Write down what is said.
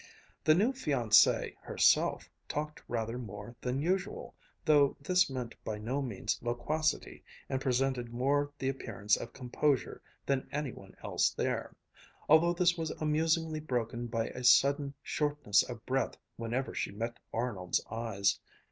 The new fiancée herself talked rather more than usual, though this meant by no means loquacity, and presented more the appearance of composure than any one else there; although this was amusingly broken by a sudden shortness of breath whenever she met Arnold's eyes.